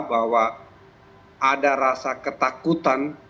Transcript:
bahwa ada rasa ketakutan